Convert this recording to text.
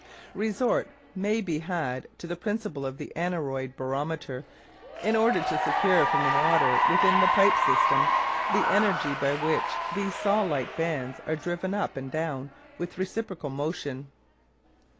Resort may be had to the principle of the aneroid barometer in order to secure from the water within the pipe system the energy by which these saw like bands are driven up and down with reciprocal motion.